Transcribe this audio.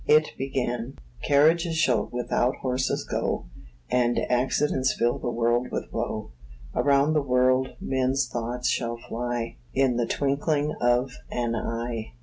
It began: "Carriages shall without horses go, And accidents fill the world with woe; Around the world men's thoughts shall fly, In the twinkling of an eye."